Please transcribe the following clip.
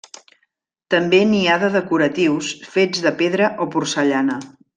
També n'hi ha de decoratius fets de pedra o porcellana.